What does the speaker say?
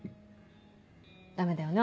ダメだよね